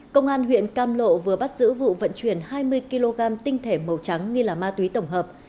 công an huyện cam lộ vừa bắt giữ vụ vận chuyển hai mươi kg tinh thể màu trắng nghi là ma túy tổng hợp